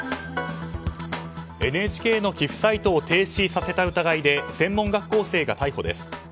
ＮＨＫの寄付サイトを停止させた疑いで専門学校生が逮捕です。